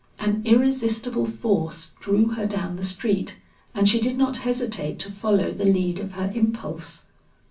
An irresistible force drew her down the street, and she did not hesitate to follow the lead of her impulse.